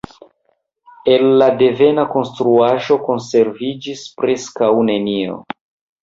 El la devena konstruaĵo konserviĝis preskaŭ nenio.